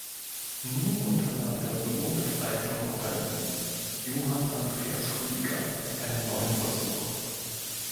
Nun unternahm der Sohn des alten Konkurrenten, Johann Andreas Rüdiger, einen neuen Versuch.